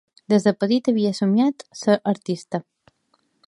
Des de petit havia somniat ser artista.